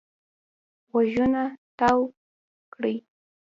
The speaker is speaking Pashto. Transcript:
غوږونه تاو کړي.